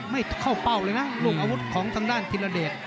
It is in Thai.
ไม่เข้าเป้าเลยนะลูกอาวุธของทางด้านธิรเดช